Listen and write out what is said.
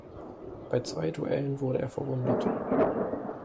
Bei zwei Duellen wurde er verwundet.